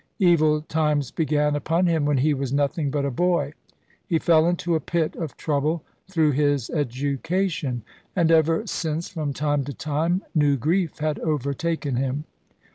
Evil times began upon him, when he was nothing but a boy. He fell into a pit of trouble through his education; and ever since from time to time new grief had overtaken him.